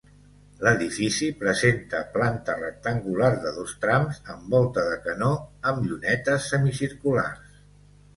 L'edifici presenta planta rectangular de dos trams amb volta de canó amb llunetes semicirculars.